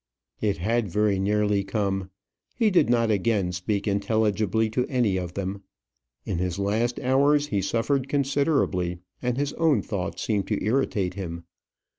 It had very nearly come. He did not again speak intelligibly to any of them. In his last hours he suffered considerably, and his own thoughts seemed to irritate him.